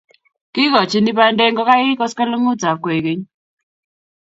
Kikochini bandek ngokaik koskoleng'utab kwekeny